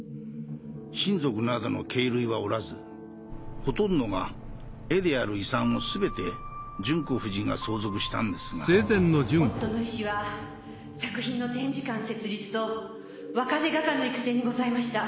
親族などの係累はおらずほとんどが絵である遺産をすべて純子夫人が相続したんですが夫の遺志は作品の展示館設立と若手画家の育成にございました。